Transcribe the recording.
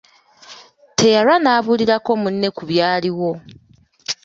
Teyalwa n’abuulirako munne ku byaliwo.